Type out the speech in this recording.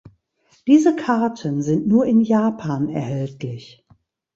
Diese Karten sind nur in Japan erhältlich.